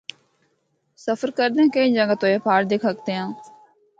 سفر کردیاں کئی جگہ تو اے پہاڑ دکھ ہکدے ہاں۔